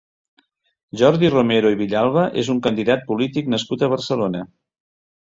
Jordi Romero i Villalba és un candidat polític nascut a Barcelona.